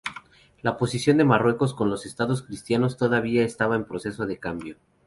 La posición de Marruecos con los Estados cristianos todavía estaba en proceso de cambio.